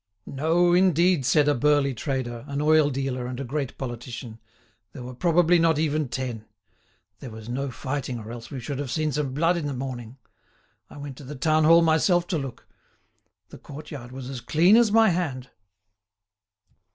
"No, indeed," said a burly trader, an oil dealer and a great politician, "there were probably not even ten. There was no fighting or else we should have seen some blood in the morning. I went to the town hall myself to look; the courtyard was as clean as my hand."